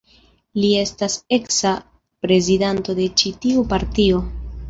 Li estas eksa prezidanto de ĉi tiu partio.